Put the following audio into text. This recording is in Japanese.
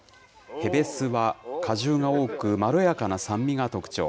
へべすは果汁が多く、まろやかな酸味が特徴。